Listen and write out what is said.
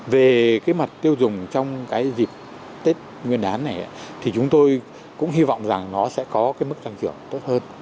về cái mặt tiêu dùng trong cái dịp tết nguyên đán này thì chúng tôi cũng hy vọng rằng nó sẽ có cái mức tăng trưởng tốt hơn